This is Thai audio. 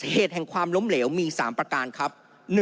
เหตุแห่งความล้มเหลวมี๓ประการครับ